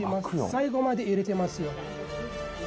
最後まで入れてますよ。